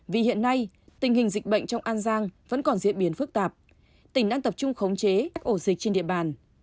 vì hiện nay tình hình dịch bệnh trong an giang vẫn còn diễn biến phức tạp tỉnh đang tập trung khống chế ổ dịch trên địa bàn